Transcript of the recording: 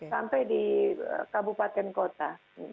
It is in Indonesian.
sampai di kabupaten kota